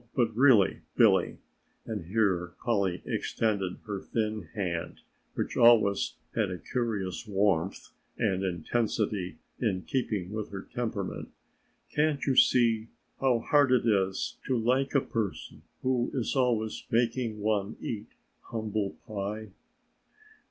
But really, Billy," and here Polly extended her thin hand, which always had a curious warmth and intensity in keeping with her temperament, "can't you see how hard it is to like a person who is always making one eat humble pie?"